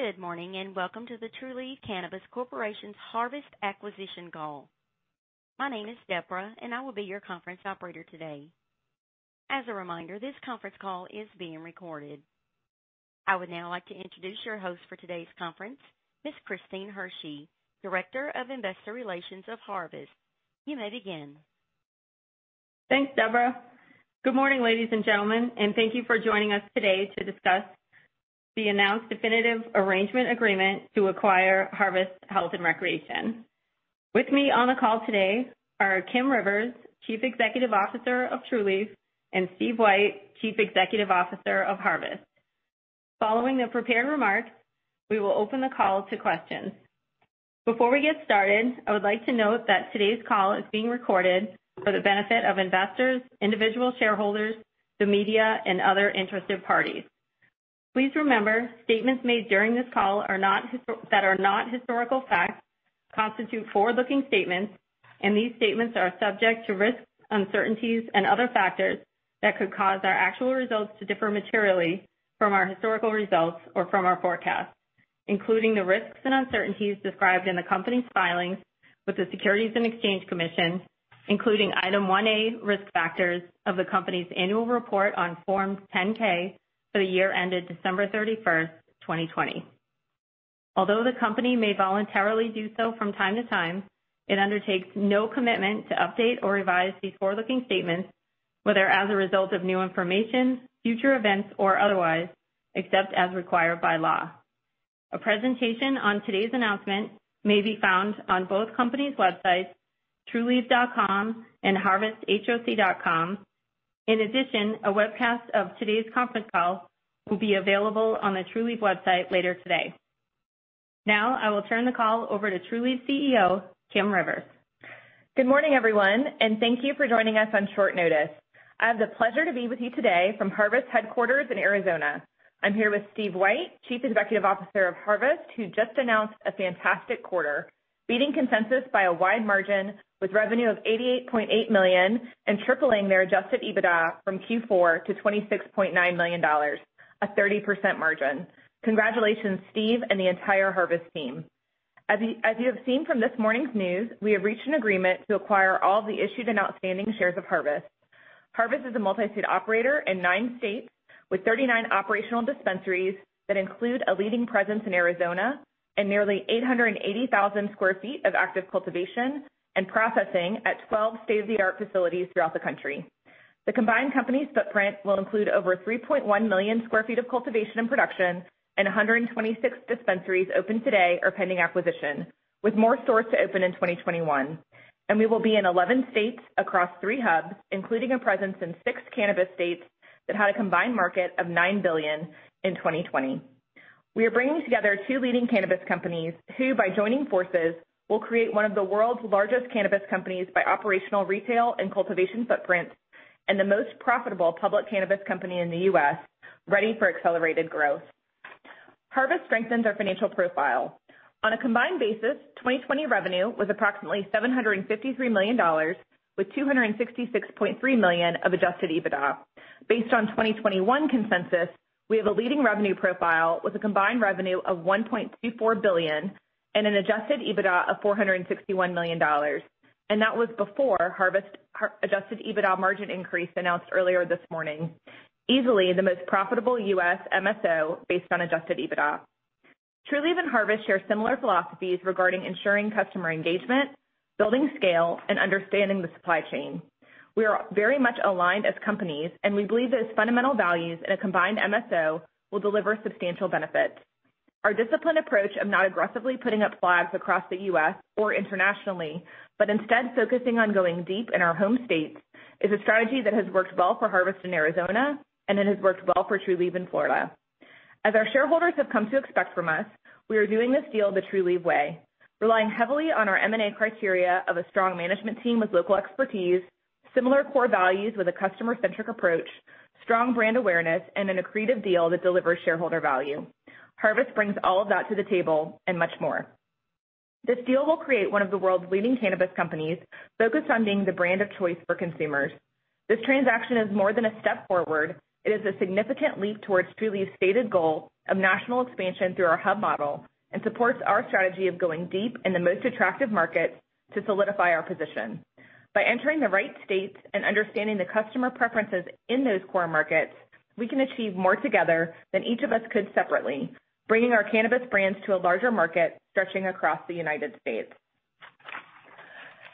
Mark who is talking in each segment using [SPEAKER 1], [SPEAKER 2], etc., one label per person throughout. [SPEAKER 1] Good morning, and welcome to the Trulieve Cannabis Corp.'s Harvest acquisition call. My name is Deborah, and I will be your conference operator today. As a reminder, this conference call is being recorded. I would now like to introduce your host for today's conference, Ms. Christine Hersey, Director of Investor Relations of Harvest. You may begin.
[SPEAKER 2] Thanks, Deborah. Good morning, ladies and gentlemen, and thank you for joining us today to discuss the announced definitive arrangement agreement to acquire Harvest Health & Recreation. With me on the call today are Kim Rivers, Chief Executive Officer of Trulieve, and Steve White, Chief Executive Officer of Harvest. Following the prepared remarks, we will open the call to questions. Before we get started, I would like to note that today's call is being recorded for the benefit of investors, individual shareholders, the media, and other interested parties. Please remember, statements made during this call that are not historical facts constitute forward-looking statements. These statements are subject to risks, uncertainties, and other factors that could cause our actual results to differ materially from our historical results or from our forecasts, including the risks and uncertainties described in the company's filings with the Securities and Exchange Commission, including Item 1A risk factors of the company's annual report on Form 10-K for the year ended December 31st, 2020. Although the company may voluntarily do so from time to time, it undertakes no commitment to update or revise these forward-looking statements, whether as a result of new information, future events, or otherwise, except as required by law. A presentation on today's announcement may be found on both companies' websites, trulieve.com and harvesthoc.com. In addition, a webcast of today's conference call will be available on the Trulieve website later today. Now, I will turn the call over to Trulieve CEO, Kim Rivers.
[SPEAKER 3] Good morning, everyone, and thank you for joining us on short notice. I have the pleasure to be with you today from Harvest headquarters in Arizona. I'm here with Steve White, Chief Executive Officer of Harvest, who just announced a fantastic quarter, beating consensus by a wide margin with revenue of $88.8 million and tripling their Adjusted EBITDA from Q4 to $26.9 million, a 30% margin. Congratulations, Steve and the entire Harvest team. As you have seen from this morning's news, we have reached an agreement to acquire all the issued and outstanding shares of Harvest. Harvest is a multi-state operator in nine states with 39 operational dispensaries that include a leading presence in Arizona and nearly 880,000 sq ft of active cultivation and processing at 12 state-of-the-art facilities throughout the country. The combined company's footprint will include over 3.1 million sq ft of cultivation and production and 126 dispensaries open today or pending acquisition, with more stores to open in 2021, and we will be in 11 states across three hubs, including a presence in six cannabis states that had a combined market of $9 billion in 2020. We are bringing together two leading cannabis companies who, by joining forces, will create one of the world's largest cannabis companies by operational retail and cultivation footprint and the most profitable public cannabis company in the U.S., ready for accelerated growth. Harvest strengthens our financial profile. On a combined basis, 2020 revenue was approximately $753 million, with $266.3 million of Adjusted EBITDA. Based on 2021 consensus, we have a leading revenue profile with a combined revenue of $1.34 billion and an Adjusted EBITDA of $461 million, and that was before Harvest Adjusted EBITDA margin increase announced earlier this morning. Easily the most profitable U.S. MSO based on Adjusted EBITDA. Trulieve and Harvest share similar philosophies regarding ensuring customer engagement, building scale, and understanding the supply chain. We are very much aligned as companies, and we believe that its fundamental values in a combined MSO will deliver substantial benefits. Our disciplined approach of not aggressively putting up flags across the U.S. or internationally, but instead focusing on going deep in our home states, is a strategy that has worked well for Harvest in Arizona, and it has worked well for Trulieve in Florida. As our shareholders have come to expect from us, we are doing this deal the Trulieve way, relying heavily on our M&A criteria of a strong management team with local expertise, similar core values with a customer-centric approach, strong brand awareness, and an accretive deal that delivers shareholder value. Harvest brings all of that to the table and much more. This deal will create one of the world's leading cannabis companies focused on being the brand of choice for consumers. This transaction is more than a step forward. It is a significant leap towards Trulieve's stated goal of national expansion through our hub model and supports our strategy of going deep in the most attractive markets to solidify our position. By entering the right states and understanding the customer preferences in those core markets, we can achieve more together than each of us could separately, bringing our cannabis brands to a larger market stretching across the United States.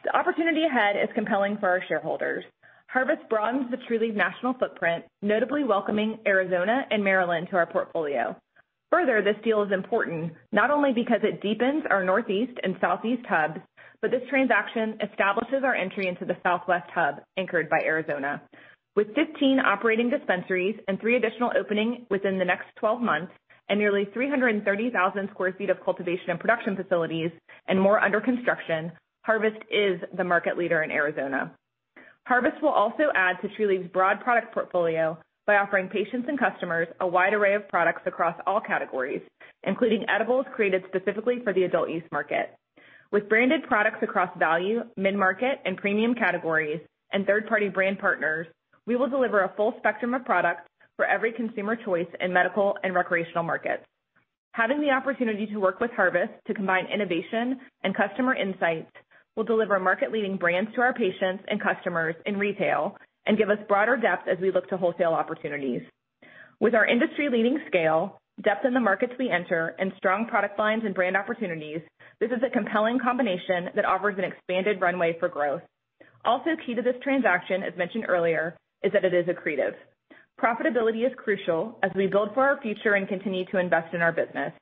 [SPEAKER 3] The opportunity ahead is compelling for our shareholders. Harvest broadens the Trulieve national footprint, notably welcoming Arizona and Maryland to our portfolio. Further, this deal is important, not only because it deepens our Northeast and Southeast hubs, but this transaction establishes our entry into the Southwest hub anchored by Arizona. With 15 operating dispensaries and three additional opening within the next 12 months and nearly 330,000 sq ft of cultivation and production facilities and more under construction, Harvest is the market leader in Arizona. Harvest will also add to Trulieve's broad product portfolio by offering patients and customers a wide array of products across all categories, including edibles created specifically for the adult use market. With branded products across value, mid-market, and premium categories, and third-party brand partners, we will deliver a full spectrum of products for every consumer choice in medical and recreational markets. Having the opportunity to work with Harvest to combine innovation and customer insights will deliver market-leading brands to our patients and customers in retail and give us broader depth as we look to wholesale opportunities. With our industry-leading scale, depth in the markets we enter, and strong product lines and brand opportunities, this is a compelling combination that offers an expanded runway for growth. Also key to this transaction, as mentioned earlier, is that it is accretive. Profitability is crucial as we build for our future and continue to invest in our business.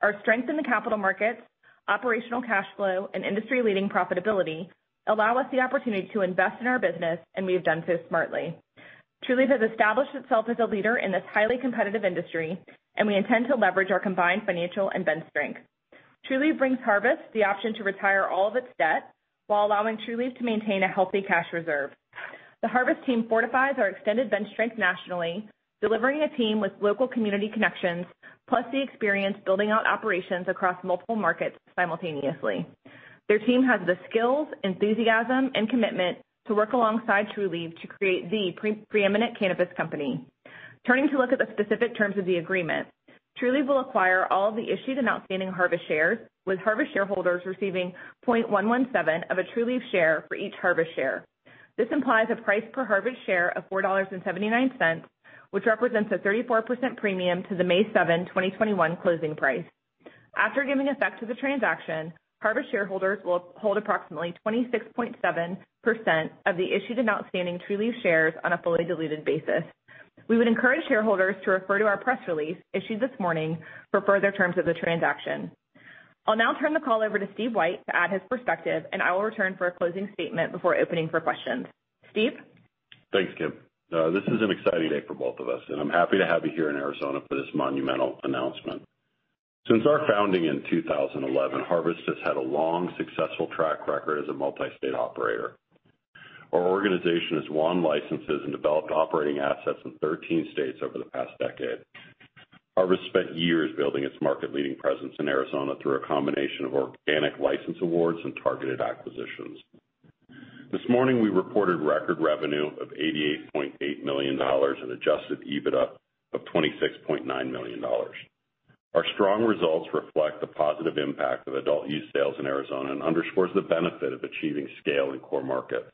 [SPEAKER 3] Our strength in the capital markets, operational cash flow, and industry-leading profitability allow us the opportunity to invest in our business, and we have done so smartly. Trulieve has established itself as a leader in this highly competitive industry, and we intend to leverage our combined financial and bench strength. Trulieve brings Harvest the option to retire all of its debt while allowing Trulieve to maintain a healthy cash reserve. The Harvest team fortifies our extended bench strength nationally, delivering a team with local community connections, plus the experience building out operations across multiple markets simultaneously. Their team has the skills, enthusiasm, and commitment to work alongside Trulieve to create the preeminent cannabis company. Turning to look at the specific terms of the agreement, Trulieve will acquire all the issued and outstanding Harvest shares, with Harvest shareholders receiving 0.117 of a Trulieve share for each Harvest share. This implies a price per Harvest share of $4.79, which represents a 34% premium to the May 7th, 2021, closing price. After giving effect to the transaction, Harvest shareholders will hold approximately 26.7% of the issued and outstanding Trulieve shares on a fully diluted basis. We would encourage shareholders to refer to our press release, issued this morning, for further terms of the transaction. I'll now turn the call over to Steve White to add his perspective, and I will return for a closing statement before opening for questions. Steve?
[SPEAKER 4] Thanks, Kim. This is an exciting day for both of us, and I'm happy to have you here in Arizona for this monumental announcement. Since our founding in 2011, Harvest has had a long, successful track record as a multi-state operator. Our organization has won licenses and developed operating assets in 13 states over the past decade. Harvest spent years building its market-leading presence in Arizona through a combination of organic license awards and targeted acquisitions. This morning, we reported record revenue of $88.8 million in Adjusted EBITDA of $26.9 million. Our strong results reflect the positive impact of adult use sales in Arizona and underscores the benefit of achieving scale in core markets.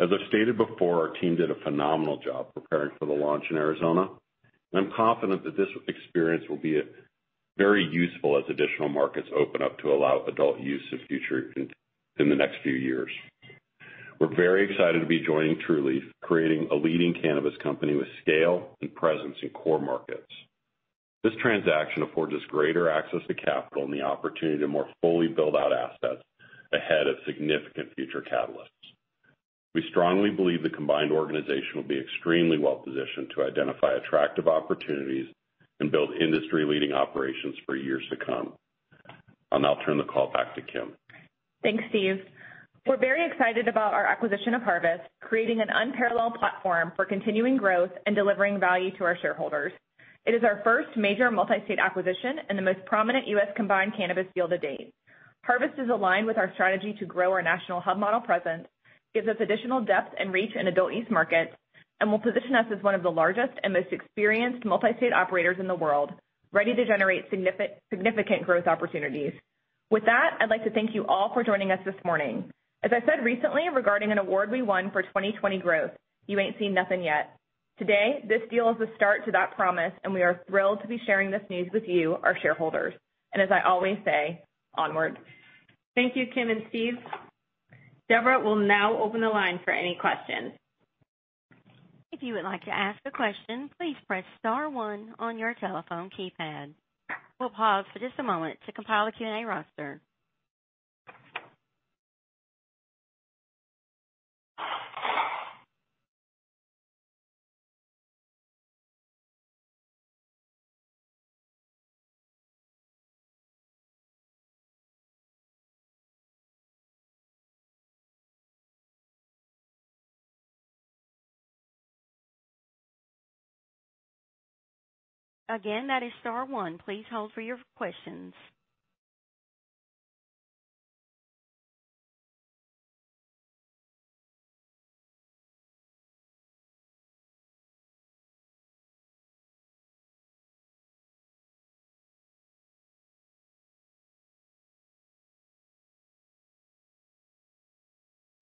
[SPEAKER 4] As I stated before, our team did a phenomenal job preparing for the launch in Arizona, and I'm confident that this experience will be very useful as additional markets open up to allow adult use in the next few years. We're very excited to be joining Trulieve, creating a leading cannabis company with scale and presence in core markets. This transaction affords us greater access to capital and the opportunity to more fully build out assets ahead of significant future catalysts. We strongly believe the combined organization will be extremely well-positioned to identify attractive opportunities and build industry-leading operations for years to come. I'll now turn the call back to Kim.
[SPEAKER 3] Thanks, Steve. We're very excited about our acquisition of Harvest, creating an unparalleled platform for continuing growth and delivering value to our shareholders. It is our first major multi-state acquisition and the most prominent U.S. combined cannabis deal to date. Harvest is aligned with our strategy to grow our national hub model presence, gives us additional depth and reach in adult use markets, and will position us as one of the largest and most experienced multi-state operators in the world, ready to generate significant growth opportunities. With that, I'd like to thank you all for joining us this morning. As I said recently regarding an award we won for 2020 growth, you ain't seen nothing yet. Today, this deal is the start to that promise, and we are thrilled to be sharing this news with you, our shareholders. As I always say, onwards.
[SPEAKER 2] Thank you, Kim and Steve. Deborah will now open the line for any questions.
[SPEAKER 1] If you would like to ask a question, please press star one on your telephone keypad. We'll pause for just a moment to compile a Q&A roster. Again, that is star one. Please hold for your questions.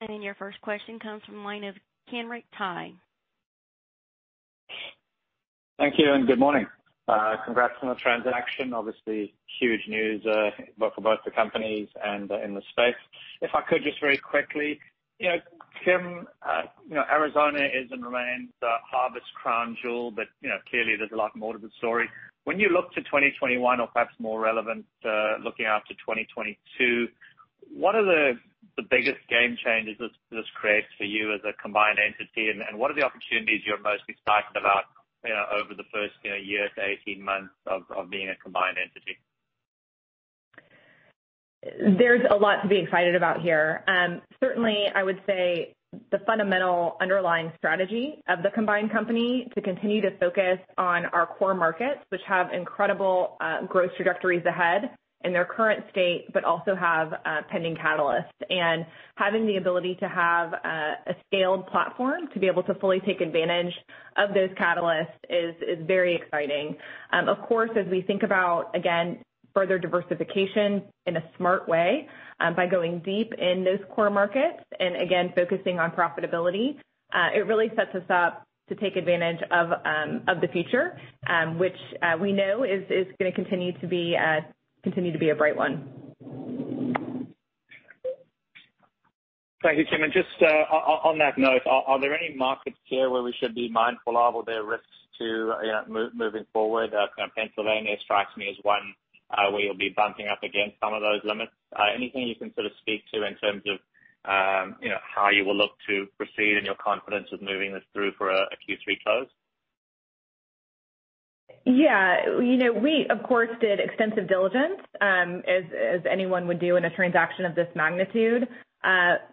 [SPEAKER 1] Your first question comes from the line of Kenric Tyghe.
[SPEAKER 5] Thank you. Good morning. Congrats on the transaction. Obviously, huge news for both the companies and in the space. If I could just very quickly, Kim, Arizona is and remains Harvest's crown jewel, but clearly, there's a lot more to the story. When you look to 2021, or perhaps more relevant, looking out to 2022, what are the biggest game changes this creates for you as a combined entity, and what are the opportunities you're most excited about over the first year to 18 months of being a combined entity?
[SPEAKER 3] There's a lot to be excited about here. Certainly, I would say the fundamental underlying strategy of the combined company to continue to focus on our core markets, which have incredible growth trajectories ahead in their current state, but also have pending catalysts. Having the ability to have a scaled platform to be able to fully take advantage of those catalysts is very exciting. Of course, as we think about, again, further diversification in a smart way, by going deep in those core markets and again, focusing on profitability, it really sets us up to take advantage of the future, which we know is going to continue to be a bright one.
[SPEAKER 5] Thank you, Kim. Just on that note, are there any markets here where we should be mindful of, or there are risks to moving forward? Pennsylvania strikes me as one where you'll be bumping up against some of those limits. Anything you can sort of speak to in terms of how you will look to proceed and your confidence with moving this through for a Q3 close?
[SPEAKER 3] Yeah. We, of course, did extensive diligence, as anyone would do in a transaction of this magnitude.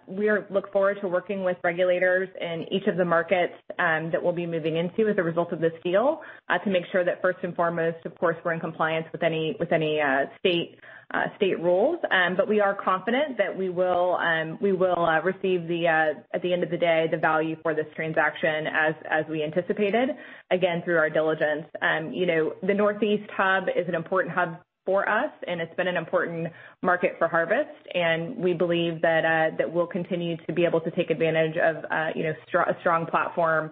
[SPEAKER 3] We look forward to working with regulators in each of the markets that we'll be moving into as a result of this deal, to make sure that first and foremost, of course, we're in compliance with any state rules. We are confident that we will receive, at the end of the day, the value for this transaction as we anticipated, again, through our diligence. The Northeast hub is an important hub for us, and it's been an important market for Harvest, and we believe that we'll continue to be able to take advantage of a strong platform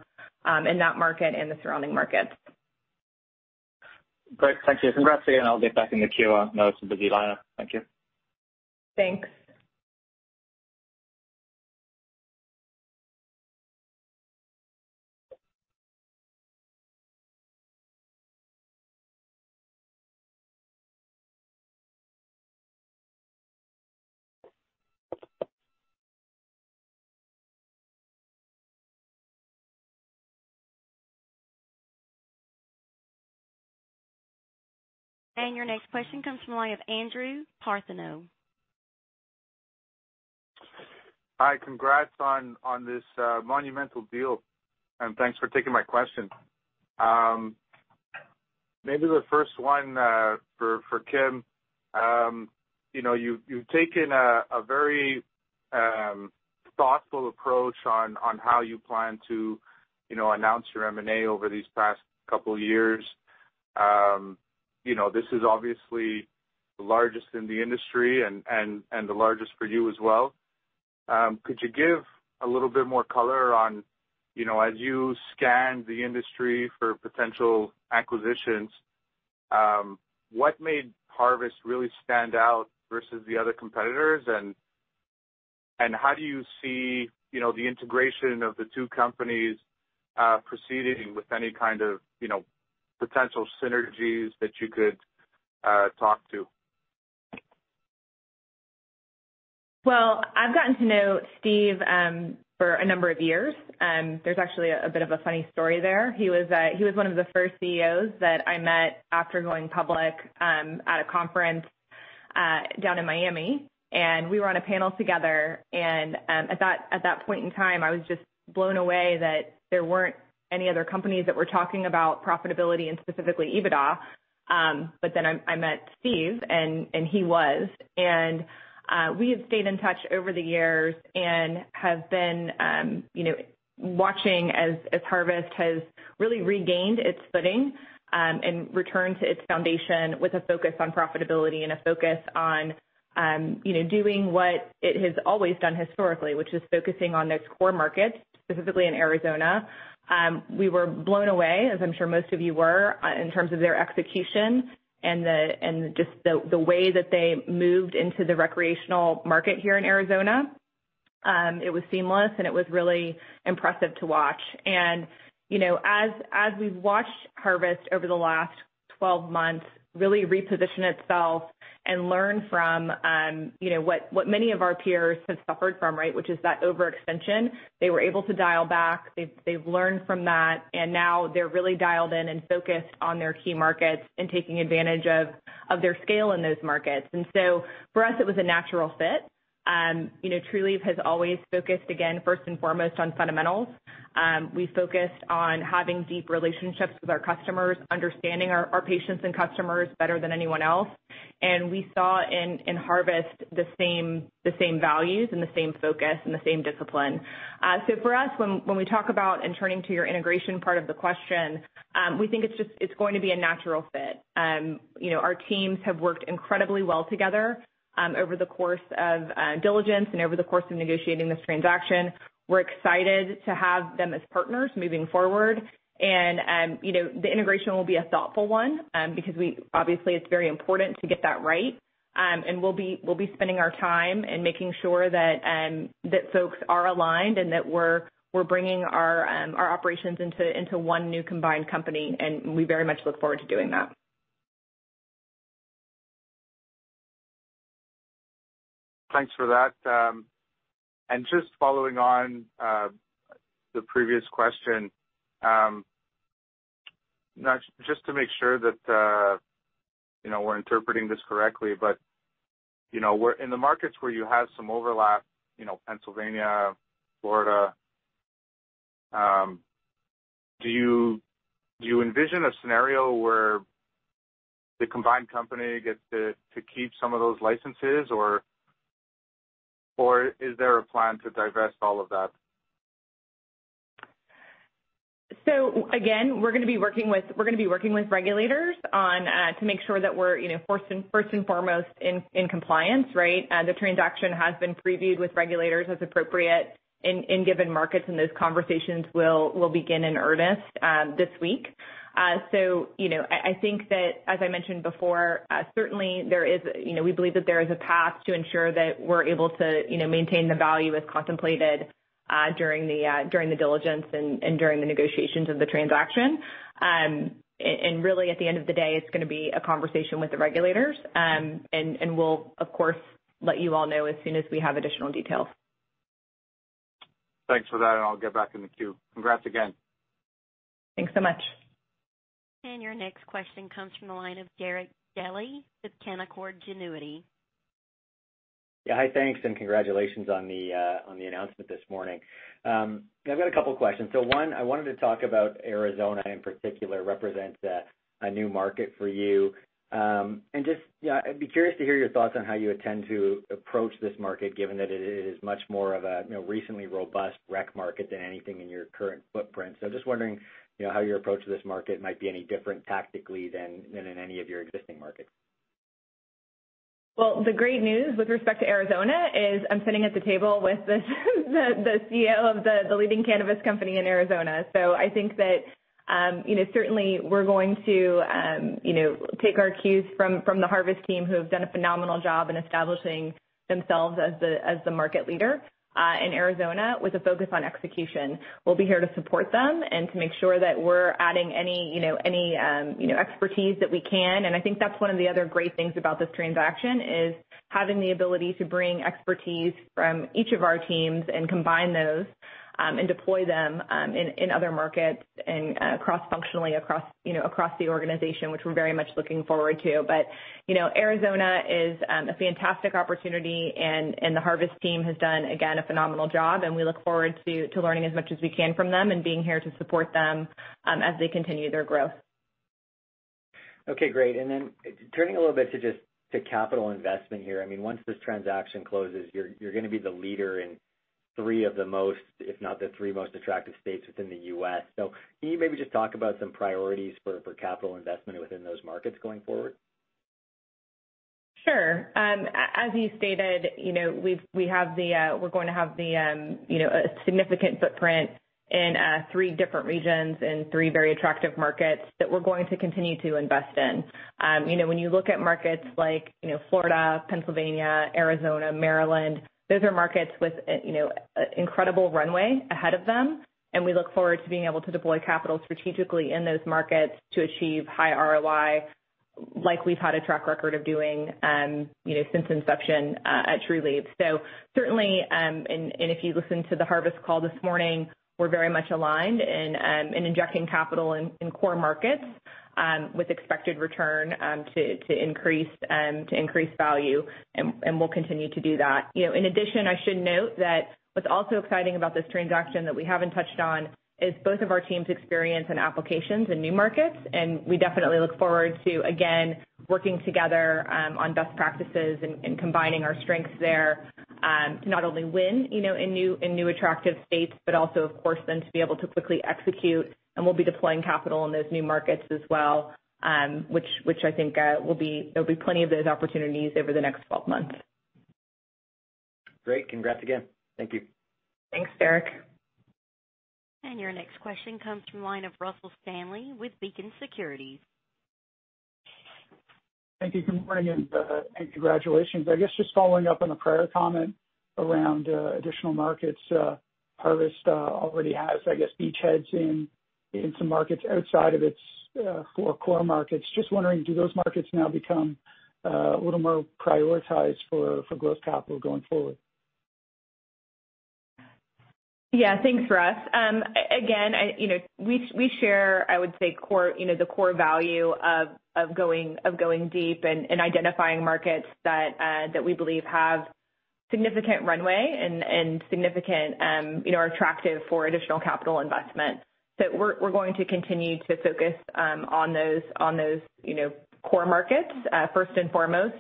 [SPEAKER 3] in that market and the surrounding markets.
[SPEAKER 5] Great. Thank you. Congrats again, I'll get back in the queue. I know it's a busy lineup. Thank you.
[SPEAKER 3] Thanks.
[SPEAKER 1] Your next question comes from the line of Andrew Partheniou.
[SPEAKER 6] Hi. Congrats on this monumental deal. Thanks for taking my question. Maybe the first one, for Kim. You've taken a very thoughtful approach on how you plan to announce your M&A over these past couple of years. This is obviously the largest in the industry and the largest for you as well. Could you give a little bit more color on, as you scan the industry for potential acquisitions, what made Harvest really stand out versus the other competitors? How do you see the integration of the two companies proceeding with any kind of potential synergies that you could talk to?
[SPEAKER 3] I've gotten to know Steve for a number of years. There's actually a bit of a funny story there. He was one of the first CEOs that I met after going public, at a conference, down in Miami, and we were on a panel together, and at that point in time, I was just blown away that there weren't any other companies that were talking about profitability and specifically EBITDA. I met Steve, and he was. We have stayed in touch over the years and have been watching as Harvest has really regained its footing, and returned to its foundation with a focus on profitability and a focus on doing what it has always done historically, which is focusing on those core markets, specifically in Arizona. We were blown away, as I'm sure most of you were, in terms of their execution and just the way that they moved into the recreational market here in Arizona. It was seamless, and it was really impressive to watch. As we've watched Harvest over the last 12 months really reposition itself and learn from what many of our peers have suffered from, right, which is that overextension, they were able to dial back. They've learned from that, and now they're really dialed in and focused on their key markets and taking advantage of their scale in those markets. For us, it was a natural fit. Trulieve has always focused, again, first and foremost on fundamentals. We focused on having deep relationships with our customers, understanding our patients and customers better than anyone else. We saw in Harvest the same values and the same focus, and the same discipline. For us, when we talk about, and turning to your integration part of the question, we think it's going to be a natural fit. Our teams have worked incredibly well together, over the course of diligence and over the course of negotiating this transaction. We're excited to have them as partners moving forward. The integration will be a thoughtful one, because obviously it's very important to get that right. We'll be spending our time and making sure that folks are aligned and that we're bringing our operations into one new combined company, and we very much look forward to doing that.
[SPEAKER 6] Thanks for that. Just following on the previous question, just to make sure that we're interpreting this correctly, in the markets where you have some overlap, Pennsylvania, Florida, do you envision a scenario where the combined company gets to keep some of those licenses, or is there a plan to divest all of that?
[SPEAKER 3] Again, we're going to be working with regulators to make sure that we're first and foremost in compliance, right? The transaction has been previewed with regulators as appropriate in given markets, and those conversations will begin in earnest this week. I think that, as I mentioned before, certainly we believe that there is a path to ensure that we're able to maintain the value as contemplated during the diligence and during the negotiations of the transaction. Really, at the end of the day, it's going to be a conversation with the regulators. We'll, of course, let you all know as soon as we have additional details.
[SPEAKER 6] Thanks for that, and I'll get back in the queue. Congrats again.
[SPEAKER 3] Thanks so much.
[SPEAKER 1] Your next question comes from the line of Derek Dley with Canaccord Genuity.
[SPEAKER 7] Yeah. Hi, thanks, and congratulations on the announcement this morning. I've got a couple questions. One, I wanted to talk about Arizona in particular, represents a new market for you. Just, I'd be curious to hear your thoughts on how you intend to approach this market, given that it is much more of a recently robust rec market than anything in your current footprint. Just wondering how your approach to this market might be any different tactically than in any of your existing markets.
[SPEAKER 3] The great news with respect to Arizona is I'm sitting at the table with the CEO of the leading cannabis company in Arizona. I think that certainly we're going to take our cues from the Harvest team, who have done a phenomenal job in establishing themselves as the market leader in Arizona with a focus on execution. We'll be here to support them and to make sure that we're adding any expertise that we can. I think that's one of the other great things about this transaction is having the ability to bring expertise from each of our teams and combine those, and deploy them in other markets and cross-functionally across the organization, which we're very much looking forward to. Arizona is a fantastic opportunity, and the Harvest team has done, again, a phenomenal job, and we look forward to learning as much as we can from them and being here to support them as they continue their growth.
[SPEAKER 7] Okay, great. Turning a little bit to just to capital investment here. Once this transaction closes, you're going to be the leader in three of the most, if not the three most attractive states within the U.S. Can you maybe just talk about some priorities for capital investment within those markets going forward?
[SPEAKER 3] Sure. As you stated, we're going to have a significant footprint in three different regions and three very attractive markets that we're going to continue to invest in. When you look at markets like Florida, Pennsylvania, Arizona, Maryland, those are markets with incredible runway ahead of them, and we look forward to being able to deploy capital strategically in those markets to achieve high ROI, like we've had a track record of doing since inception at Trulieve. Certainly, and if you listened to the Harvest call this morning, we're very much aligned in injecting capital in core markets with expected return to increase value, and we'll continue to do that. In addition, I should note that what's also exciting about this transaction that we haven't touched on is both of our teams' experience and applications in new markets. We definitely look forward to, again, working together on best practices and combining our strengths there to not only win in new attractive states, but also, of course, then to be able to quickly execute. We'll be deploying capital in those new markets as well, which I think there'll be plenty of those opportunities over the next 12 months.
[SPEAKER 7] Great. Congrats again. Thank you.
[SPEAKER 3] Thanks, Derek.
[SPEAKER 1] Your next question comes from the line of Russell Stanley with Beacon Securities.
[SPEAKER 8] Thank you. Good morning, and congratulations. I guess, just following up on a prior comment around additional markets. Harvest already has, I guess, beachheads in some markets outside of its four core markets. Just wondering, do those markets now become a little more prioritized for growth capital going forward?
[SPEAKER 3] Yeah. Thanks, Russ. Again, we share, I would say, the core value of going deep and identifying markets that we believe have significant runway and are attractive for additional capital investment. We're going to continue to focus on those core markets first and foremost.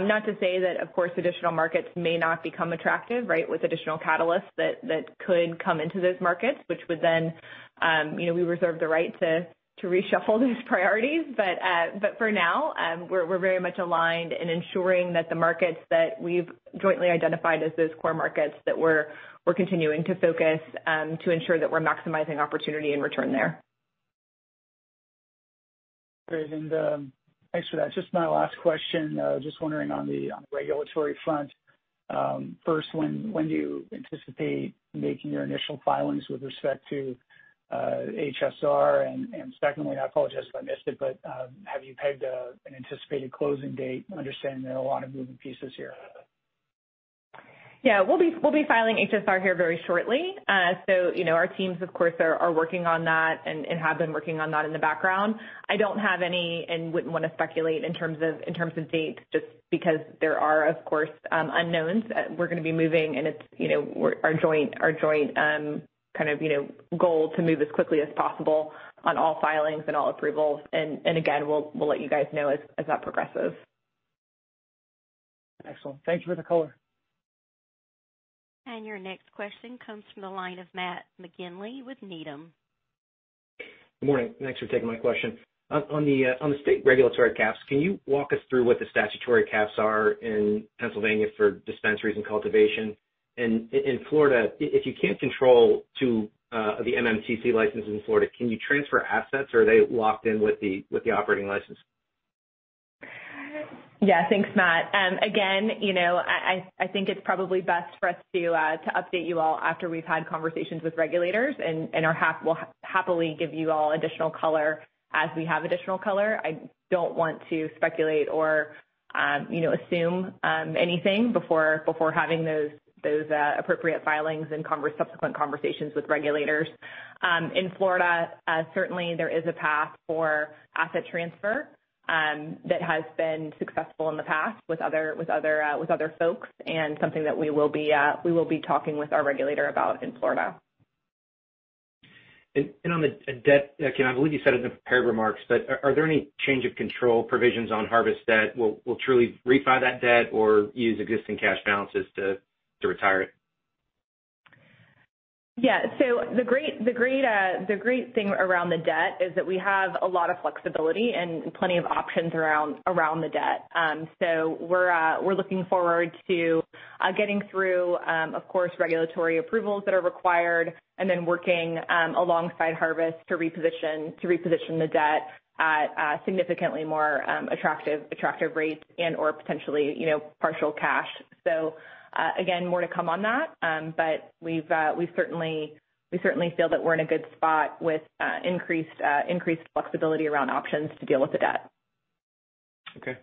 [SPEAKER 3] Not to say that, of course, additional markets may not become attractive, right? With additional catalysts that could come into those markets, which would then, we reserve the right to reshuffle those priorities. For now, we're very much aligned in ensuring that the markets that we've jointly identified as those core markets that we're continuing to focus to ensure that we're maximizing opportunity and return there.
[SPEAKER 8] Great. Thanks for that. Just my last question. Just wondering on the regulatory front, first, when do you anticipate making your initial filings with respect to HSR? Secondly, I apologize if I missed it, have you pegged an anticipated closing date, understanding there are a lot of moving pieces here?
[SPEAKER 3] Yeah. We'll be filing HSR here very shortly. Our teams, of course, are working on that and have been working on that in the background. I don't have any and wouldn't want to speculate in terms of dates, just because there are, of course, unknowns. We're going to be moving, and it's our joint kind of goal to move as quickly as possible on all filings and all approvals. Again, we'll let you guys know as that progresses.
[SPEAKER 8] Excellent. Thank you for the color.
[SPEAKER 1] Your next question comes from the line of Matt McGinley with Needham.
[SPEAKER 9] Good morning. Thanks for taking my question. On the state regulatory caps, can you walk us through what the statutory caps are in Pennsylvania for dispensaries and cultivation? In Florida, if you can't control two of the MMTC licenses in Florida, can you transfer assets, or are they locked in with the operating license?
[SPEAKER 3] Yeah. Thanks, Matt. Again, I think it's probably best for us to update you all after we've had conversations with regulators, and we'll happily give you all additional color as we have additional color. I don't want to speculate or assume anything before having those appropriate filings and subsequent conversations with regulators. In Florida, certainly there is a path for asset transfer that has been successful in the past with other folks, and something that we will be talking with our regulator about in Florida.
[SPEAKER 9] On the debt, Kim, I believe you said it in the prepared remarks, but are there any change of control provisions on Harvest debt? Will Trulieve refi that debt or use existing cash balances to retire it?
[SPEAKER 3] The great thing around the debt is that we have a lot of flexibility and plenty of options around the debt. We're looking forward to getting through, of course, regulatory approvals that are required, and then working alongside Harvest to reposition the debt at significantly more attractive rates and/or potentially partial cash. Again, more to come on that. We certainly feel that we're in a good spot with increased flexibility around options to deal with the debt.
[SPEAKER 9] Okay,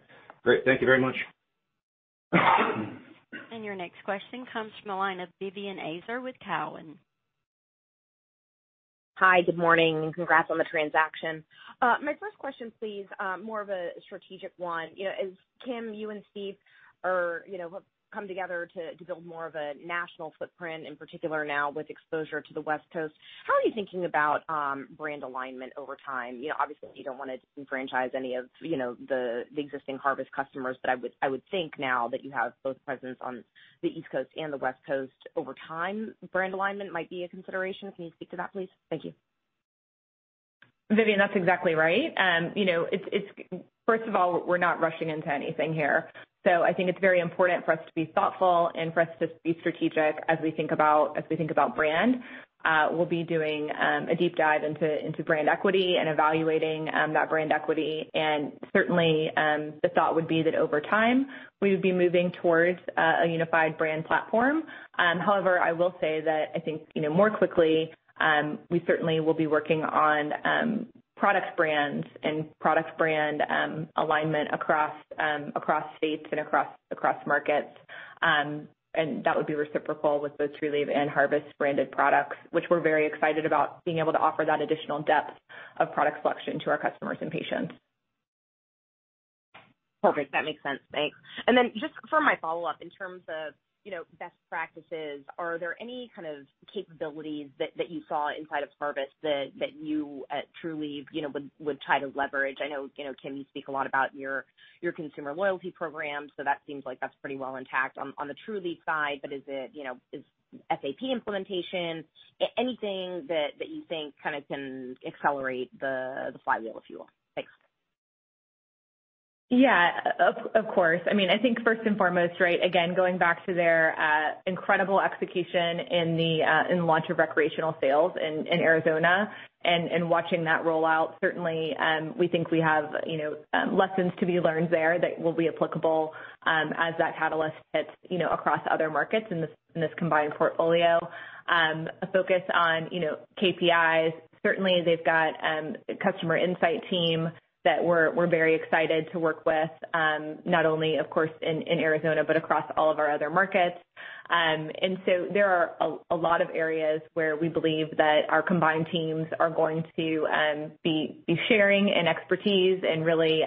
[SPEAKER 9] great. Thank you very much.
[SPEAKER 1] Your next question comes from the line of Vivien Azer with Cowen.
[SPEAKER 10] Hi. Good morning, and congrats on the transaction. My first question please, more of a strategic one. As Kim, you and Steve have come together to build more of a national footprint, in particular now with exposure to the West Coast, how are you thinking about brand alignment over time? Obviously, you don't want to disenfranchise any of the existing Harvest customers. I would think now that you have both presence on the East Coast and the West Coast, over time, brand alignment might be a consideration. Can you speak to that, please? Thank you.
[SPEAKER 3] Vivien, that's exactly right. First of all, we're not rushing into anything here. I think it's very important for us to be thoughtful and for us to be strategic as we think about brand. We'll be doing a deep dive into brand equity and evaluating that brand equity. Certainly, the thought would be that over time, we would be moving towards a unified brand platform. However, I will say that I think more quickly, we certainly will be working on product brands and product brand alignment across states and across markets. That would be reciprocal with both Trulieve and Harvest-branded products, which we're very excited about being able to offer that additional depth of product selection to our customers and patients.
[SPEAKER 10] Perfect. That makes sense. Thanks. Just for my follow-up, in terms of best practices, are there any kind of capabilities that you saw inside of Harvest that you at Trulieve would try to leverage? I know, Kim, you speak a lot about your consumer loyalty program, that seems like that's pretty well intact on the Trulieve side. Is it SAP implementation? Anything that you think kind of can accelerate the flywheel, if you will? Thanks.
[SPEAKER 3] Yeah. Of course. I think first and foremost, again, going back to their incredible execution in the launch of recreational sales in Arizona and watching that roll out, certainly, we think we have lessons to be learned there that will be applicable as that catalyst hits across other markets in this combined portfolio. A focus on KPIs. Certainly, they've got a customer insight team that we're very excited to work with, not only, of course, in Arizona, but across all of our other markets. There are a lot of areas where we believe that our combined teams are going to be sharing in expertise and really,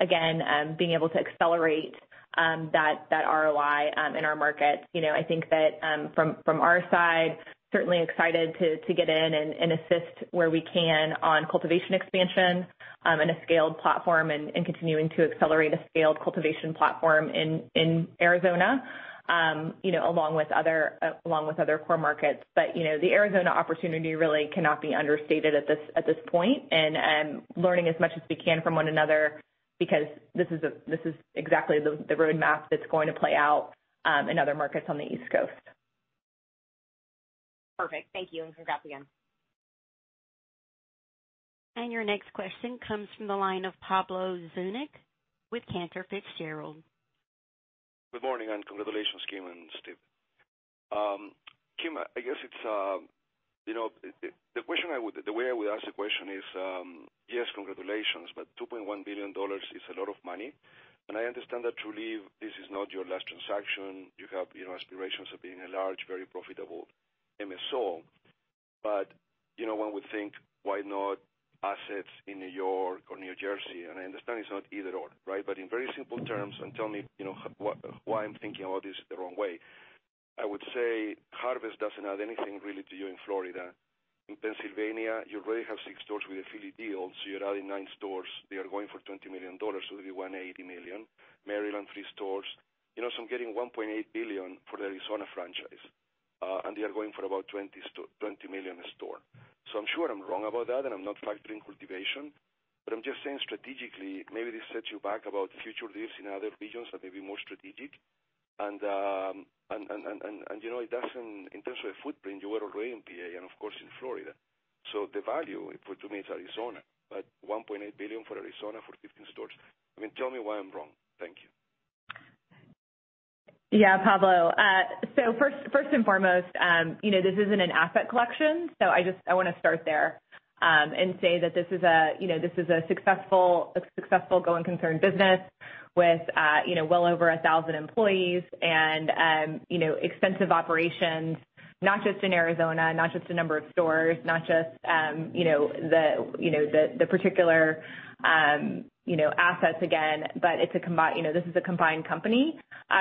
[SPEAKER 3] again, being able to accelerate that ROI in our market. I think that from our side, certainly excited to get in and assist where we can on cultivation expansion and a scaled platform, and continuing to accelerate a scaled cultivation platform in Arizona along with other core markets. The Arizona opportunity really cannot be understated at this point, and learning as much as we can from one another, because this is exactly the roadmap that's going to play out in other markets on the East Coast.
[SPEAKER 10] Perfect. Thank you, and congrats again.
[SPEAKER 1] Your next question comes from the line of Pablo Zuanic with Cantor Fitzgerald.
[SPEAKER 11] Good morning. Congratulations, Kim and Steve. Kim, the way I would ask the question is, yes, congratulations. But $2.1 billion is a lot of money. I understand that Trulieve, this is not your last transaction. You have aspirations of being a large, very profitable MSO. One would think, why not assets in New York or New Jersey? I understand it's not either/or, right? In very simple terms, tell me why I'm thinking about this the wrong way. I would say Harvest doesn't add anything really to you in Florida. In Pennsylvania, you already have six stores with a Philly deal. You're adding nine stores. They are going for $20 million. It'll be $180 million. Maryland, three stores. I'm getting $1.8 billion for the Arizona franchise. They are going for about $20 million a store. I'm sure I'm wrong about that, and I'm not factoring cultivation, but I'm just saying strategically, maybe this sets you back about future deals in other regions that may be more strategic. In terms of footprint, you were already in P.A. and of course in Florida. The value for to me is Arizona, but $1.8 billion for Arizona for 15 stores. I mean, tell me why I'm wrong. Thank you.
[SPEAKER 3] Yeah, Pablo. First and foremost, this isn't an asset collection. I want to start there, and say that this is a successful going concern business with well over 1,000 employees and extensive operations, not just in Arizona, not just a number of stores, not just the particular assets again, but this is a combined company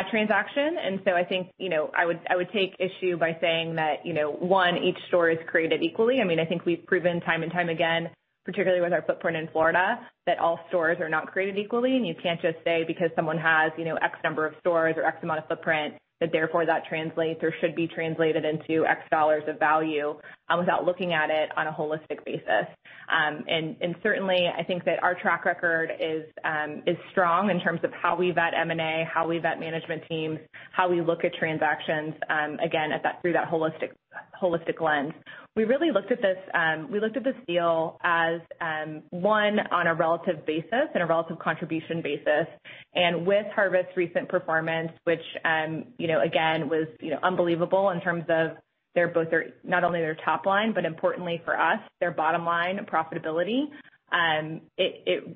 [SPEAKER 3] transaction. I think, I would take issue by saying that, one, each store is created equally. I think we've proven time and time again, particularly with our footprint in Florida, that all stores are not created equally, and you can't just say because someone has X number of stores or X amount of footprint, that therefore that translates or should be translated into X dollars of value without looking at it on a holistic basis. Certainly, I think that our track record is strong in terms of how we vet M&A, how we vet management teams, how we look at transactions, again, through that holistic lens. We looked at this deal as, one, on a relative basis and a relative contribution basis. With Harvest's recent performance, which, again, was unbelievable in terms of not only their top line, but importantly for us, their bottom-line profitability.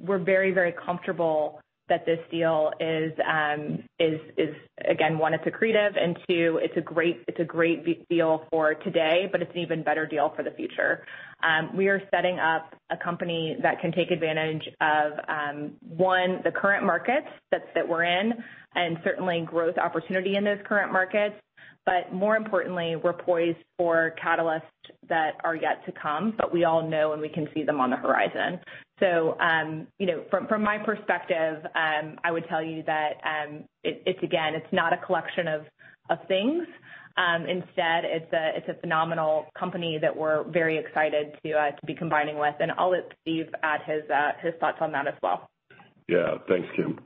[SPEAKER 3] We're very comfortable that this deal is, again, one, it's accretive, and two, it's a great deal for today, but it's an even better deal for the future. We are setting up a company that can take advantage of, one, the current markets that we're in, and certainly growth opportunity in those current markets. More importantly, we're poised for catalysts that are yet to come, but we all know and we can see them on the horizon. From my perspective, I would tell you that it's not a collection of things. Instead, it's a phenomenal company that we're very excited to be combining with. I'll let Steve add his thoughts on that as well.
[SPEAKER 4] Yeah. Thanks, Kim.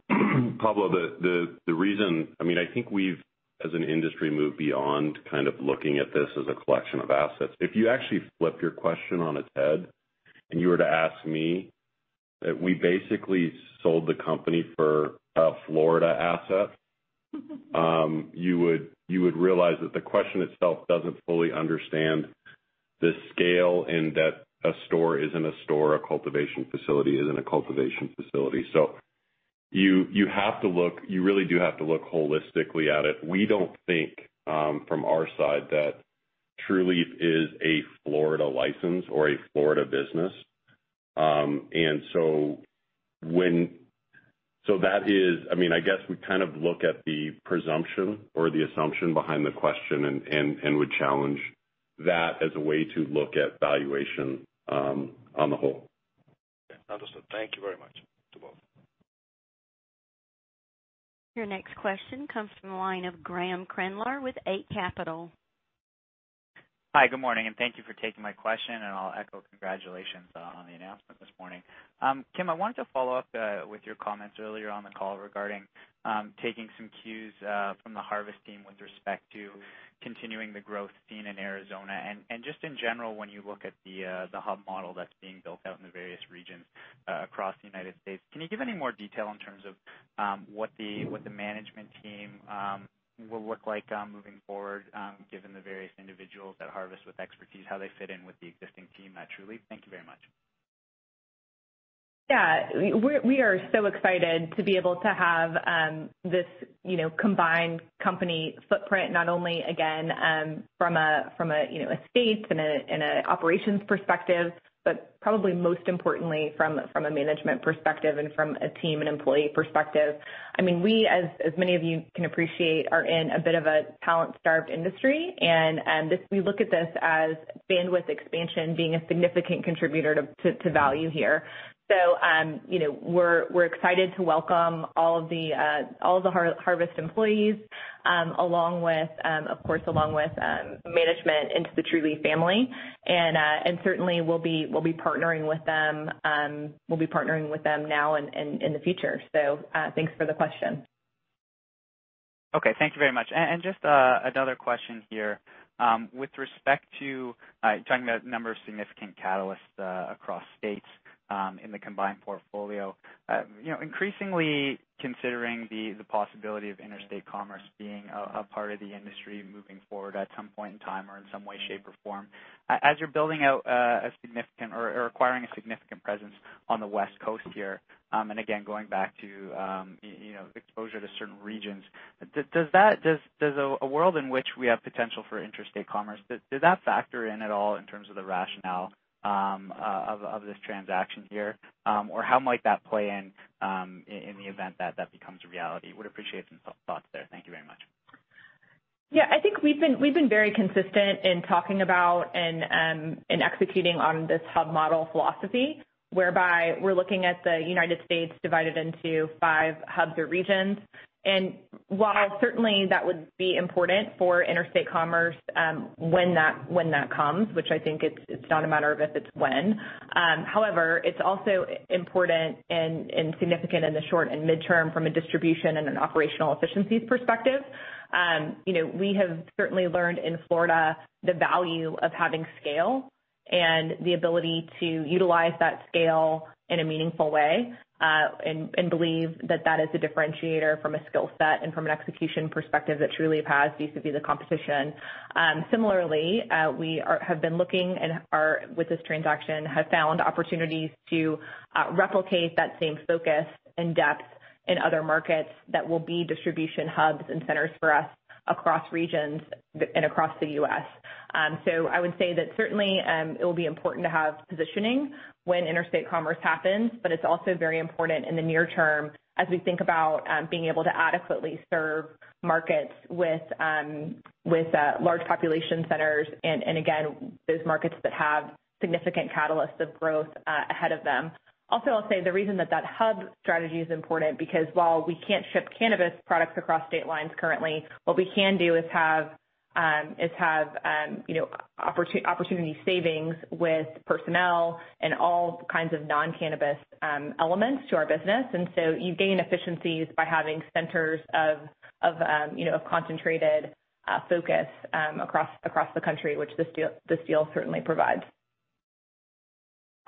[SPEAKER 4] Pablo, the reason, I think we've, as an industry, moved beyond looking at this as a collection of assets. If you actually flip your question on its head and you were to ask me that we basically sold the company for a Florida asset, you would realize that the question itself doesn't fully understand the scale in that a store isn't a store, a cultivation facility isn't a cultivation facility. You really do have to look holistically at it. We don't think, from our side, that Trulieve is a Florida license or a Florida business. I guess we look at the presumption or the assumption behind the question and would challenge that as a way to look at valuation on the whole.
[SPEAKER 11] Understood. Thank you very much to both.
[SPEAKER 1] Your next question comes from the line of Graeme Kreindler with Eight Capital.
[SPEAKER 12] Hi, good morning, and thank you for taking my question. I'll echo congratulations on the announcement this morning. Kim, I wanted to follow up with your comments earlier on the call regarding taking some cues from the Harvest team with respect to continuing the growth seen in Arizona. Just in general, when you look at the hub model that's being built out in the various regions across the U.S., can you give any more detail in terms of what the management team will look like moving forward, given the various individuals at Harvest with expertise, how they fit in with the existing team at Trulieve? Thank you very much.
[SPEAKER 3] We are so excited to be able to have this combined company footprint, not only again, from a state and an operations perspective, but probably most importantly from a management perspective and from a team and employee perspective. We, as many of you can appreciate, are in a bit of a talent-starved industry. We look at this as bandwidth expansion being a significant contributor to value here. We're excited to welcome all of the Harvest employees, of course, along with management into the Trulieve family. Certainly we'll be partnering with them now and in the future. Thanks for the question.
[SPEAKER 12] Okay, thank you very much. Just another question here. With respect to talking about a number of significant catalysts across states in the combined portfolio. Increasingly considering the possibility of interstate commerce being a part of the industry moving forward at some point in time or in some way, shape, or form. As you're building out a significant or acquiring a significant presence on the West Coast here, and again, going back to exposure to certain regions. Does a world in which we have potential for interstate commerce, did that factor in at all in terms of the rationale of this transaction here? How might that play in the event that becomes a reality? Would appreciate some thoughts there. Thank you very much.
[SPEAKER 3] Yeah, I think we've been very consistent in talking about and executing on this hub model philosophy, whereby we're looking at the United States divided into five hubs or regions. While certainly that would be important for interstate commerce, when that comes, which I think it's not a matter of if, it's when. However, it's also important and significant in the short and midterm from a distribution and an operational efficiencies perspective. We have certainly learned in Florida the value of having scale and the ability to utilize that scale in a meaningful way, and believe that is a differentiator from a skill set and from an execution perspective that Trulieve has vis-a-vis the competition. Similarly, we have been looking and with this transaction, have found opportunities to replicate that same focus and depth in other markets that will be distribution hubs and centers for us across regions and across the U.S. I would say that certainly, it will be important to have positioning when interstate commerce happens, but it's also very important in the near term as we think about being able to adequately serve markets with large population centers and again, those markets that have significant catalysts of growth ahead of them. I'll say the reason that hub strategy is important, because while we can't ship cannabis products across state lines currently, what we can do is have opportunity savings with personnel and all kinds of non-cannabis elements to our business. You gain efficiencies by having centers of concentrated focus across the country, which this deal certainly provides.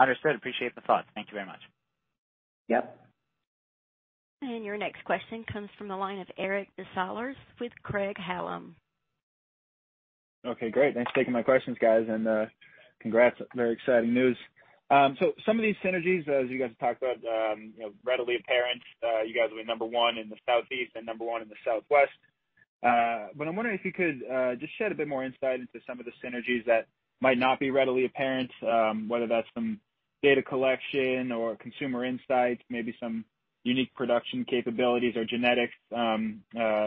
[SPEAKER 12] Understood. Appreciate the thoughts. Thank you very much.
[SPEAKER 3] Yep.
[SPEAKER 1] Your next question comes from the line of Eric Des Lauriers with Craig-Hallum.
[SPEAKER 13] Okay, great. Thanks for taking my questions, guys, and congrats. Very exciting news. Some of these synergies as you guys have talked about, readily apparent, you guys will be number one in the Southeast and number 1 in the Southwest. I'm wondering if you could just shed a bit more insight into some of the synergies that might not be readily apparent, whether that's some data collection or consumer insights, maybe some unique production capabilities or genetics.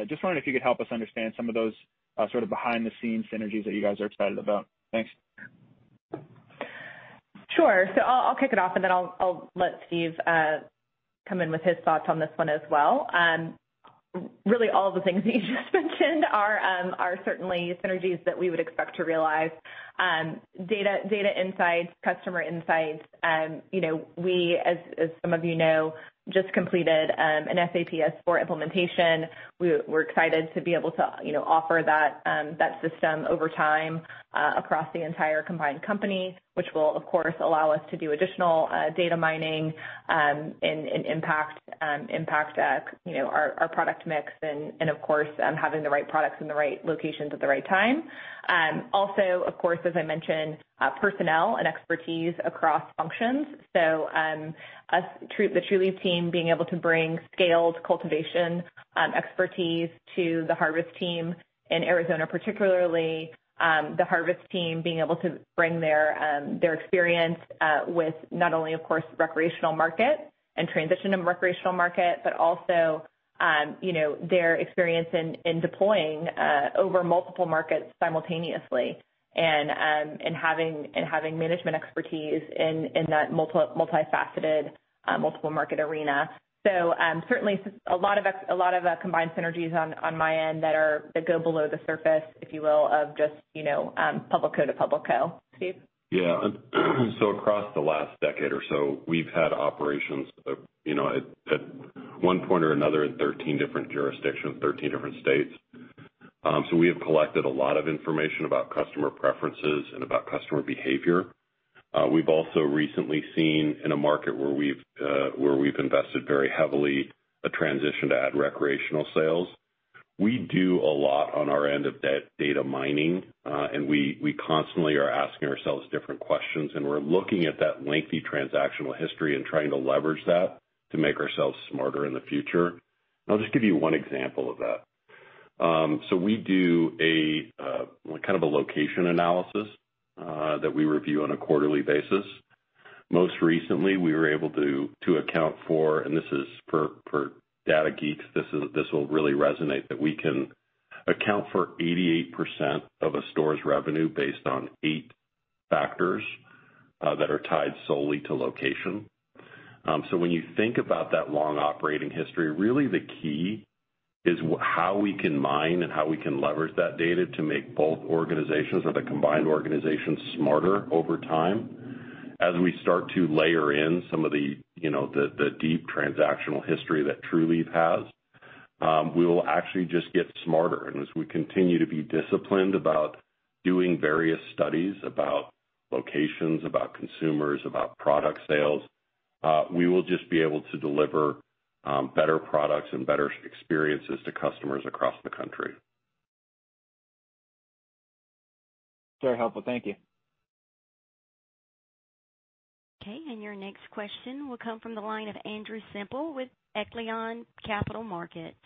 [SPEAKER 13] Just wondering if you could help us understand some of those sort of behind-the-scenes synergies that you guys are excited about. Thanks.
[SPEAKER 3] Sure. I'll kick it off, and then I'll let Steve come in with his thoughts on this one as well. Really all of the things that you just mentioned are certainly synergies that we would expect to realize. Data insights, customer insights. We, as some of you know, just completed an SAP S/4 implementation. We're excited to be able to offer that system over time across the entire combined company, which will, of course, allow us to do additional data mining and impact our product mix and of course, having the right products in the right locations at the right time. Of course, as I mentioned, personnel and expertise across functions. The Trulieve team being able to bring scaled cultivation expertise to the Harvest team in Arizona particularly. The Harvest team being able to bring their experience with not only, of course, recreational market and transition to recreational market, but also their experience in deploying over multiple markets simultaneously and having management expertise in that multifaceted, multiple market arena. Certainly a lot of combined synergies on my end that go below the surface, if you will, of just public co to public co. Steve?
[SPEAKER 4] Across the last decade or so, we've had operations at one point or another in 13 different jurisdictions, 13 different states. We have collected a lot of information about customer preferences and about customer behavior. We've also recently seen in a market where we've invested very heavily a transition to add recreational sales. We do a lot on our end of data mining, and we constantly are asking ourselves different questions, and we're looking at that lengthy transactional history and trying to leverage that to make ourselves smarter in the future. I'll just give you one example of that. We do a kind of a location analysis that we review on a quarterly basis. Most recently, we were able to account for, and this is for data geeks, this will really resonate. That we can account for 88% of a store's revenue based on eight factors that are tied solely to location. When you think about that long operating history, really the key is how we can mine and how we can leverage that data to make both organizations or the combined organizations smarter over time. As we start to layer in some of the deep transactional history that Trulieve has, we will actually just get smarter. As we continue to be disciplined about doing various studies about locations, about consumers, about product sales, we will just be able to deliver better products and better experiences to customers across the country.
[SPEAKER 13] Very helpful. Thank you.
[SPEAKER 1] Okay. Your next question will come from the line of Andrew Semple with Echelon Capital Markets.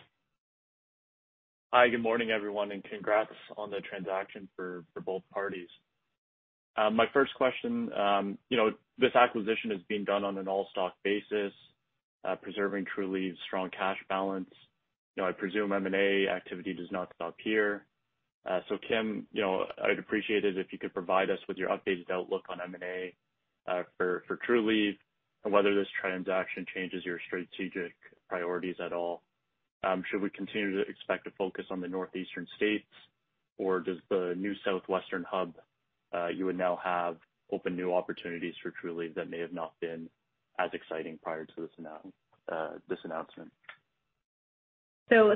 [SPEAKER 14] Hi, good morning, everyone, and congrats on the transaction for both parties. My first question. This acquisition is being done on an all-stock basis, preserving Trulieve's strong cash balance. I presume M&A activity does not stop here. Kim, I'd appreciate it if you could provide us with your updated outlook on M&A for Trulieve and whether this transaction changes your strategic priorities at all. Should we continue to expect a focus on the northeastern states, or does the new southwestern hub, you would now have open new opportunities for Trulieve that may have not been as exciting prior to this announcement?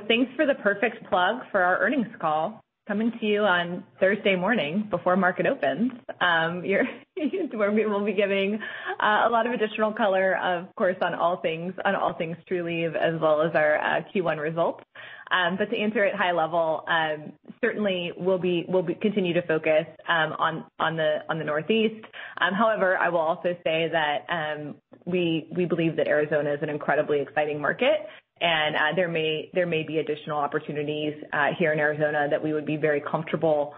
[SPEAKER 3] Thanks for the perfect plug for our earnings call, coming to you on Thursday morning before market opens. Where we will be giving a lot of additional color, of course, on all things Trulieve as well as our Q1 results. To answer at high level, certainly we'll continue to focus on the Northeast. However, I will also say that we believe that Arizona is an incredibly exciting market, and there may be additional opportunities here in Arizona that we would be very comfortable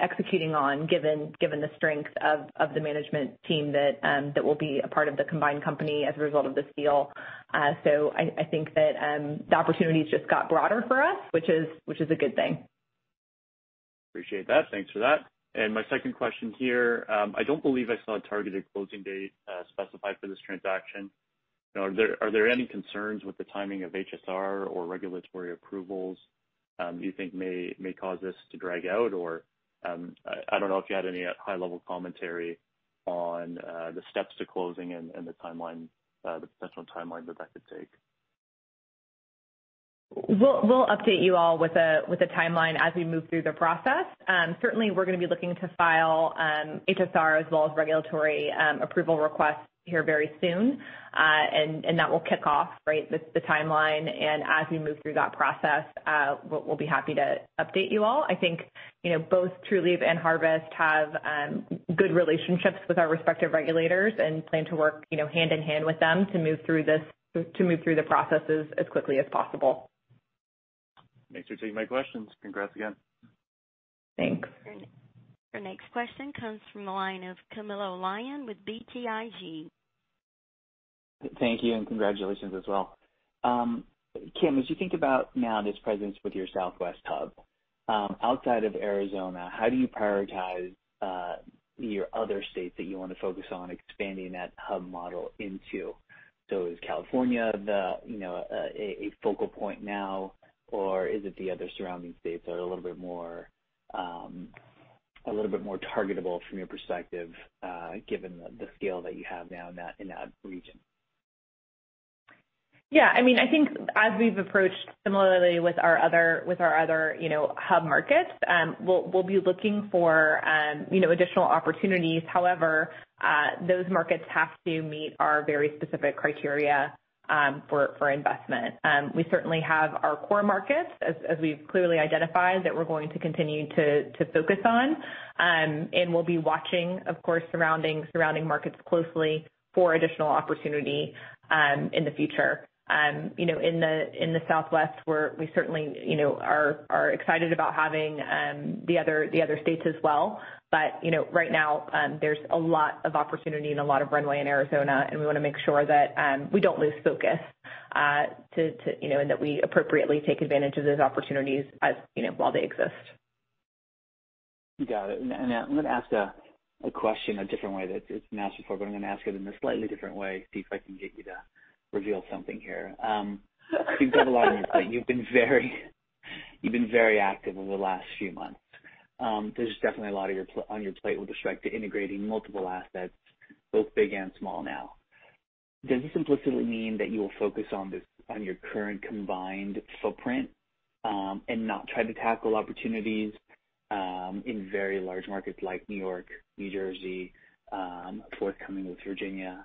[SPEAKER 3] executing on given the strength of the management team that will be a part of the combined company as a result of this deal. I think that the opportunities just got broader for us, which is a good thing.
[SPEAKER 14] Appreciate that. Thanks for that. My second question here, I don't believe I saw a targeted closing date specified for this transaction. Are there any concerns with the timing of HSR or regulatory approvals you think may cause this to drag out? I don't know if you had any high-level commentary on the steps to closing and the potential timeline that that could take.
[SPEAKER 3] We'll update you all with a timeline as we move through the process. Certainly, we're going to be looking to file HSR as well as regulatory approval requests here very soon. That will kick off the timeline, and as we move through that process, we'll be happy to update you all. I think both Trulieve and Harvest have good relationships with our respective regulators and plan to work hand in hand with them to move through the processes as quickly as possible.
[SPEAKER 14] Thanks for taking my questions. Congrats again.
[SPEAKER 3] Thanks.
[SPEAKER 1] Your next question comes from the line of Camilo Lyon with BTIG.
[SPEAKER 15] Thank you, congratulations as well. Kim, as you think about now this presence with your southwest hub, outside of Arizona, how do you prioritize your other states that you want to focus on expanding that hub model into? Is California a focal point now, or is it the other surrounding states that are a little bit more targetable from your perspective, given the scale that you have now in that region?
[SPEAKER 3] Yeah, I think as we've approached similarly with our other hub markets, we'll be looking for additional opportunities. However, those markets have to meet our very specific criteria for investment. We certainly have our core markets, as we've clearly identified, that we're going to continue to focus on. We'll be watching, of course, surrounding markets closely for additional opportunity in the future. In the Southwest, we certainly are excited about having the other states as well. Right now, there's a lot of opportunity and a lot of runway in Arizona, and we want to make sure that we don't lose focus and that we appropriately take advantage of those opportunities while they exist.
[SPEAKER 15] Got it. I'm going to ask a question a different way. It's been asked before, but I'm going to ask it in a slightly different way, see if I can get you to reveal something here. You have a lot on your plate. You've been very active over the last few months. There's definitely a lot on your plate with respect to integrating multiple assets, both big and small now. Does this implicitly mean that you will focus on your current combined footprint, and not try to tackle opportunities in very large markets like New York, New Jersey, forthcoming with Virginia?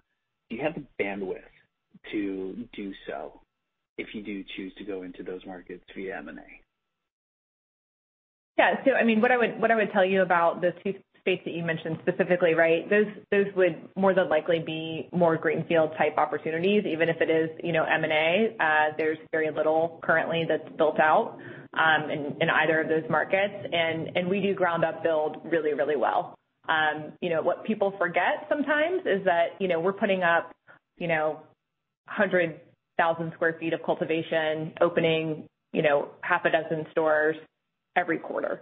[SPEAKER 15] Do you have the bandwidth to do so if you do choose to go into those markets via M&A?
[SPEAKER 3] Yeah. What I would tell you about those two states that you mentioned specifically, right? Those would more than likely be more greenfield type opportunities, even if it is M&A. There's very little currently that's built out in either of those markets, and we do ground-up build really, really well. What people forget sometimes is that we're putting up 100,000 sq ft of cultivation, opening half a dozen stores every quarter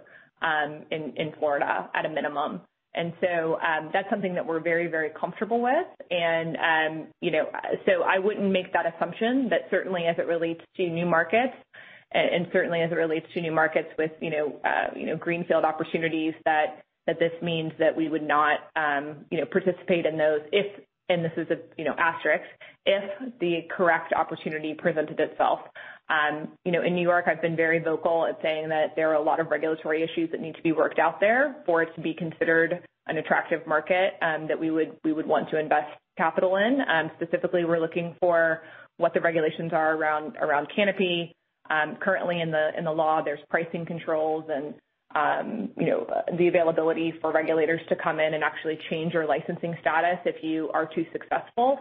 [SPEAKER 3] in Florida at a minimum. That's something that we're very, very comfortable with. I wouldn't make that assumption, but certainly as it relates to new markets with greenfield opportunities that this means that we would not participate in those if, and this is an asterisk, if the correct opportunity presented itself. In N.Y., I've been very vocal at saying that there are a lot of regulatory issues that need to be worked out there for it to be considered an attractive market that we would want to invest capital in. Specifically, we're looking for what the regulations are around canopy. Currently in the law, there's pricing controls and the availability for regulators to come in and actually change your licensing status if you are too successful.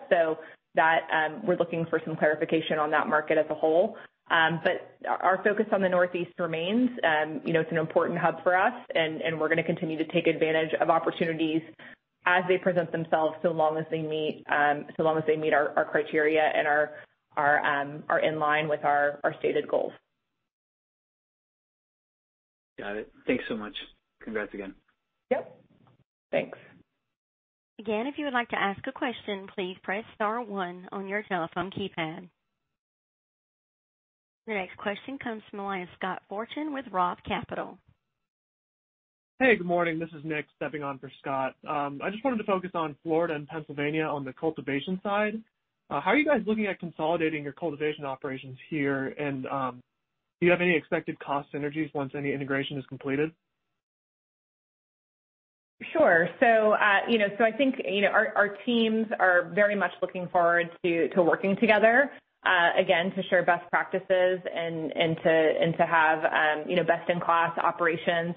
[SPEAKER 3] That, we're looking for some clarification on that market as a whole. Our focus on the Northeast remains. It's an important hub for us, and we're going to continue to take advantage of opportunities as they present themselves so long as they meet our criteria and are in line with our stated goals.
[SPEAKER 15] Got it. Thanks so much. Congrats again.
[SPEAKER 3] Yep. Thanks.
[SPEAKER 1] Again, if you would like to ask a question, please press star one on your telephone keypad. The next question comes from Scott Fortune with Roth Capital.
[SPEAKER 16] Hey, good morning. This is Nick stepping on for Scott. I just wanted to focus on Florida and Pennsylvania on the cultivation side. How are you guys looking at consolidating your cultivation operations here? Do you have any expected cost synergies once any integration is completed?
[SPEAKER 3] Sure. I think our teams are very much looking forward to working together, again, to share best practices and to have best-in-class operations.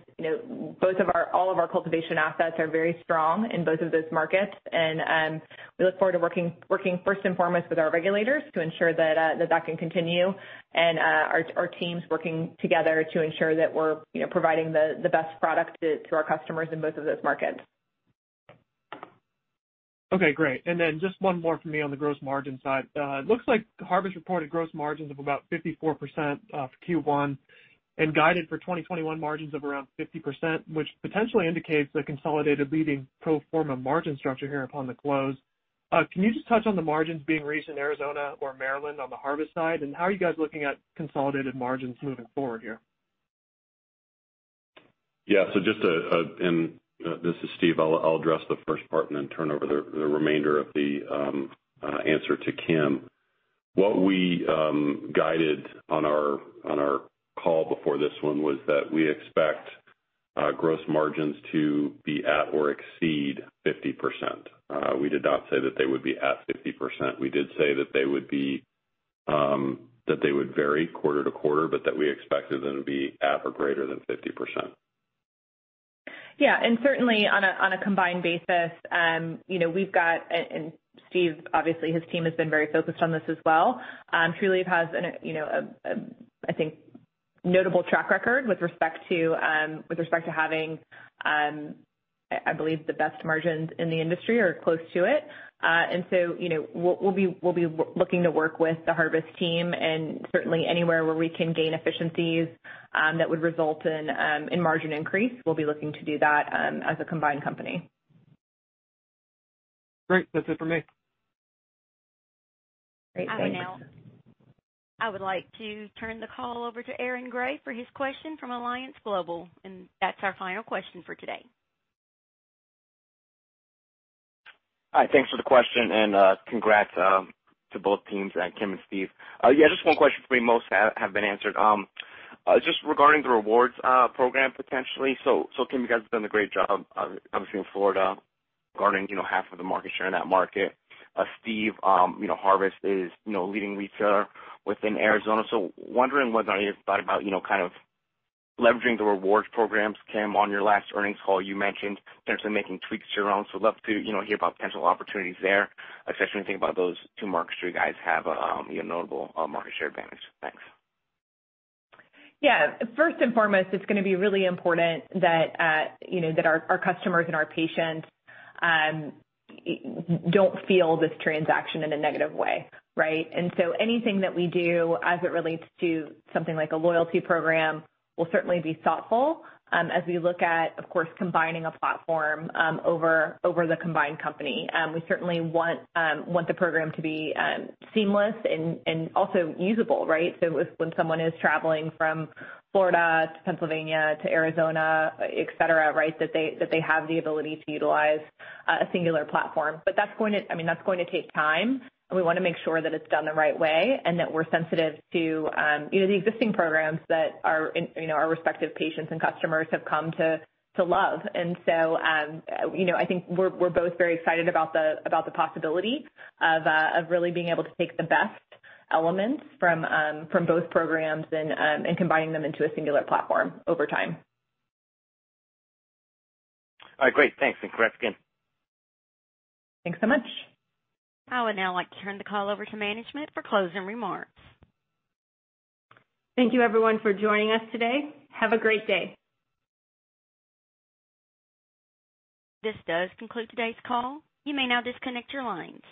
[SPEAKER 3] All of our cultivation assets are very strong in both of those markets, and we look forward to working first and foremost with our regulators to ensure that that can continue and our teams working together to ensure that we're providing the best product to our customers in both of those markets.
[SPEAKER 16] Okay, great. Just one more from me on the gross margin side. It looks like Harvest reported gross margins of about 54% for Q1 and guided for 2021 margins of around 50%, which potentially indicates a consolidated leading pro forma margin structure here upon the close. Can you just touch on the margins being reached in Arizona or Maryland on the Harvest side? How are you guys looking at consolidated margins moving forward here?
[SPEAKER 4] Yeah. This is Steve. I'll address the first part and then turn over the remainder of the answer to Kim. What we guided on our call before this one was that we expect gross margins to be at or exceed 50%. We did not say that they would be at 50%. We did say that they would vary quarter-to-quarter, but that we expected them to be at or greater than 50%.
[SPEAKER 3] Yeah. Certainly on a combined basis, we've got, and Steve, obviously, his team has been very focused on this as well. Trulieve has, I think, a notable track record with respect to having, I believe the best margins in the industry or close to it. So we'll be looking to work with the Harvest team and certainly anywhere where we can gain efficiencies that would result in margin increase. We'll be looking to do that as a combined company.
[SPEAKER 16] Great. That's it for me.
[SPEAKER 3] Great. Thanks.
[SPEAKER 1] I would like to turn the call over to Aaron Grey for his question from Alliance Global, and that's our final question for today.
[SPEAKER 17] Hi. Thanks for the question, and congrats to both teams, Kim and Steve. Yeah, just one question for me. Most have been answered. Just regarding the rewards program, potentially. Kim, you guys have done a great job, obviously in Florida, guarding half of the market share in that market. Steve, Harvest is leading retailer within Arizona. Wondering whether or not you thought about kind of leveraging the rewards programs. Kim, on your last earnings call, you mentioned potentially making tweaks to your own. Would love to hear about potential opportunities there, especially when you think about those two markets where you guys have notable market share advantage. Thanks.
[SPEAKER 3] First and foremost, it's going to be really important that our customers and our patients don't feel this transaction in a negative way, right? Anything that we do as it relates to something like a loyalty program will certainly be thoughtful as we look at, of course, combining a platform over the combined company. We certainly want the program to be seamless and also usable. When someone is traveling from Florida to Pennsylvania to Arizona, et cetera, that they have the ability to utilize a singular platform. That's going to take time, and we want to make sure that it's done the right way and that we're sensitive to the existing programs that our respective patients and customers have come to love. I think we're both very excited about the possibility of really being able to take the best elements from both programs and combining them into a singular platform over time.
[SPEAKER 17] All right, great. Thanks, and congrats again.
[SPEAKER 3] Thanks so much.
[SPEAKER 1] I would now like to turn the call over to management for closing remarks.
[SPEAKER 2] Thank you, everyone, for joining us today. Have a great day.
[SPEAKER 1] This does conclude today's call. You may now disconnect your lines.